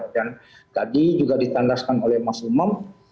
dan tadi juga ditandaskan oleh mas umar